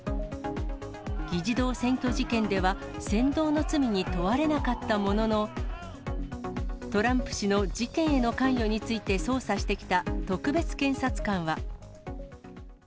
議事堂占拠事件では扇動の罪に問われなかったものの、トランプ氏の事件への関与について捜査してきた特別検察官は。